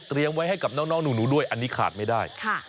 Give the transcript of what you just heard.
ไว้ให้กับน้องหนูด้วยอันนี้ขาดไม่ได้